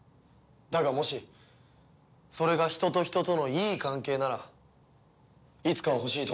だがもしそれが人と人とのいい関係ならいつかは欲しいと思っている。